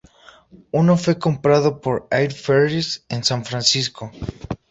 Uno fue comprado por Air Ferries en San Francisco.